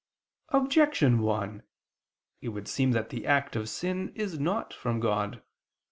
Objection 1: It would seem that the act of sin is not from God.